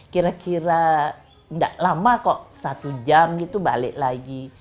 kira kira nggak lama kok satu jam gitu balik lagi